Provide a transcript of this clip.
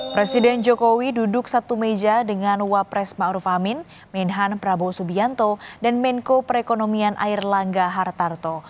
presiden jokowi duduk satu meja dengan wapres ⁇ maruf ⁇ amin menhan prabowo subianto dan menko perekonomian air langga hartarto